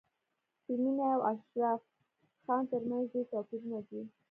د مينې او اشرف خان تر منځ ډېر توپیرونه دي